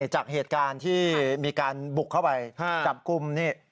จากเหตุการณ์ที่มีการบุกเข้าไปจับกลุ่มนี่